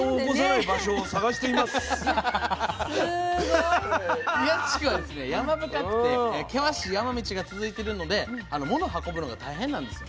いやすごい！祖谷地区は山深くて険しい山道が続いてるので物運ぶのが大変なんですよね。